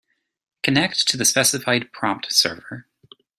Connect to the specified prompt server.